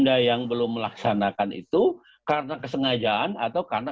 saya kira itu kesengajaan